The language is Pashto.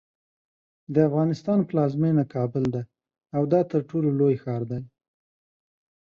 د افغانستان پلازمینه کابل ده او دا ترټولو لوی ښار دی.